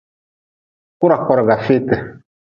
Kura burgu feetii.